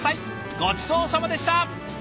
ごちそうさまでした！